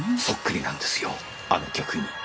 そっくりなんですよあの曲に。